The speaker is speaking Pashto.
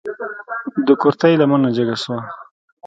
د کورتۍ لمنه جګه شوه.